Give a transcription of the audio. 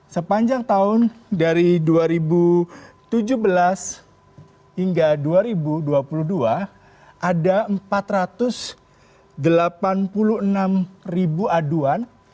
sepanjang tahun dari dua ribu tujuh belas hingga dua ribu dua puluh dua ada empat ratus delapan puluh enam ribu aduan